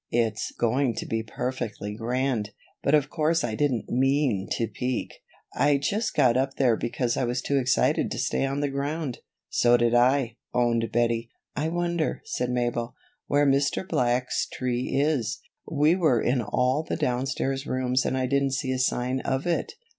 It's going to be perfectly grand; but of course I didn't mean to peek. I just got up there because I was too excited to stay on the ground." "So did I," owned Bettie. "I wonder," said Mabel, "where Mr. Black's tree is. We were in all the downstairs rooms and I didn't see a sign of it."